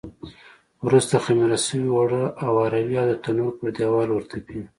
وروسته خمېره شوي اوړه اواروي او د تنور پر دېوال ورتپي.